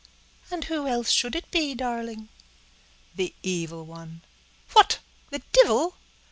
"And who should it be else, darling?" "The evil one." "What, the divil?"